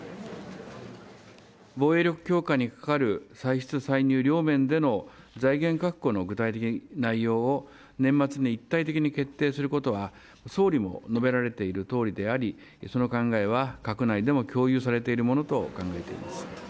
防衛力強化にかかる歳出歳入両面での財源確保の具体的内容を、年末に一体的に決定することは、総理も述べられているとおりであり、その考えは閣内でも共有されているものと考えています。